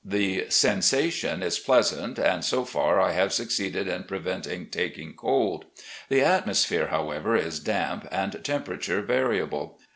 The sensation is pleasant, and so far I have succeeded in preventing taking cold. The atmos phere, however, is damp, and temperature variable.